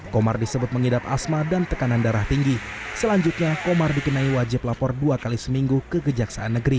komar disebut mengidap asma dan tekanan darah tinggi selanjutnya komar dikenai wajib lapor dua kali seminggu ke kejaksaan negeri